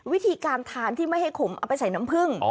วิธีการทานที่ไม่ให้ขมเอาไปใส่น้ำผึ้ง